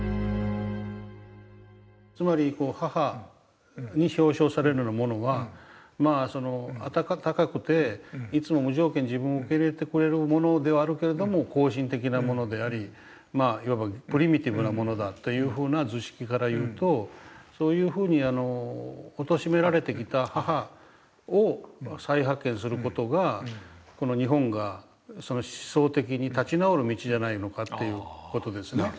つまり母に表象されるようなものはまあそのあたたかくていつも無条件に自分を受け入れてくれるものではあるけれども後進的なものでありいわばプリミティブなものだというふうな図式からいうとそういうふうに貶められてきた母を再発見する事がこの日本が思想的に立ち直る道じゃないのかっていう事ですね。